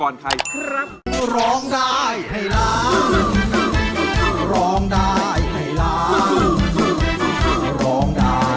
ร้องได้ให้ร้าง